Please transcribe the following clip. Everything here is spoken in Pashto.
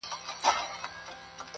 سرې سرې سترګي هیبتناکه کوټه سپی ؤ,